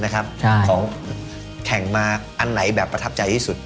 ของแข่งมาอันไหนแบบประทับใจที่สุด